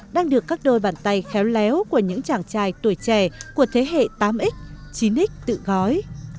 đôi bàn tay khéo léo của những chàng trai tuổi trẻ của thế hệ tám x chín x tự gói